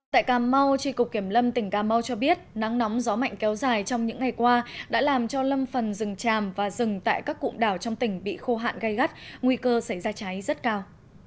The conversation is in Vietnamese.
tại cà mau tri cục kiểm lâm tỉnh cà mau cho biết nắng nóng gió mạnh kéo dài trong những ngày qua đã làm cho lâm phần rừng tràm và rừng tại các cụm đảo trong tỉnh bị khô hạn gây gắt nguy cơ xảy ra cháy rất cao